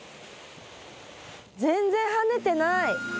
全然跳ねてない！